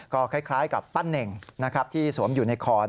ก็คล้ายกับปั้นเน่งที่สวมอยู่ในคอน